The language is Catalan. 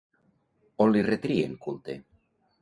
On li retrien culte?